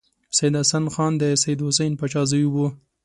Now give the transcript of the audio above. سید حسن خان د سید حسین پاچا زوی و.